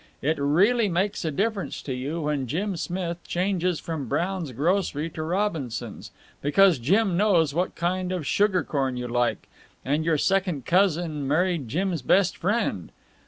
It really makes a difference to you when Jim Smith changes from Brown's grocery to Robinson's, because Jim knows what kind of sugar corn you like, and your second cousin married Jim's best friend.